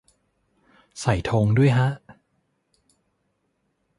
ใส่ธงด้วยฮะ